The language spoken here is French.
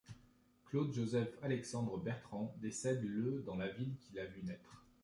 Claude-Joseph-Alexandre Bertrand décède le dans la ville qui l'a vu naître.